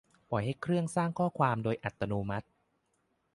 ปล่อยให้เครื่องสร้างข้อความโดยอัตโนมัติ